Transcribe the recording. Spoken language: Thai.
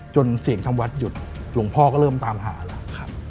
เสียงทำวัดหยุดหลวงพ่อก็เริ่มตามหาแล้ว